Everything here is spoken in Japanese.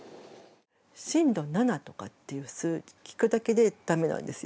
震度７とかっていう数字聞くだけでダメなんですよ。